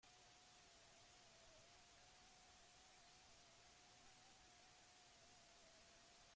Aurten, nire anaiaren enpresak langile bikain batzuk galdu ditu.